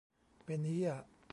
"เป็นเหี้ย"